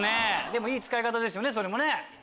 でもいい使い方ですよねそれも。